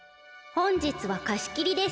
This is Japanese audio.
「本日は貸し切りです。